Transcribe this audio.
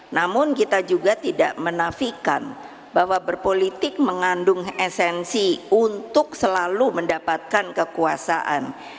namun kita juga tidak menafikan bahwa berpolitik mengandung esensi untuk selalu mendapatkan kekuasaan